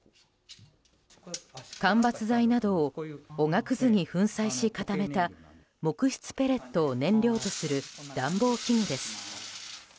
間伐材などをおがくずに粉砕し固めた木質ペレットを燃料とする暖房器具です。